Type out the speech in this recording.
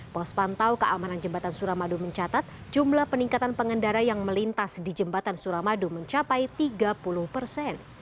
pos pantau keamanan jembatan suramadu mencatat jumlah peningkatan pengendara yang melintas di jembatan suramadu mencapai tiga puluh persen